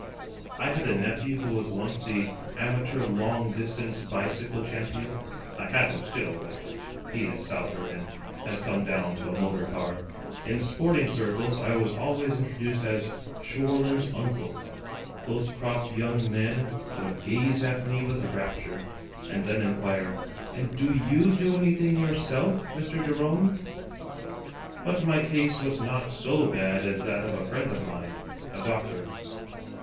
I had a nephew who was once the amateur long distance bicycle champion. I have him still, but he is stouter and has come down to a motor car. In sporting circles I was always introduced as "Shorland's Uncle." Close cropped young men would gaze at me with rapture; and then inquire: "And do you do anything yourself, Mr. Jerome?" But my case was not so bad as that of a friend of mine, a doctor.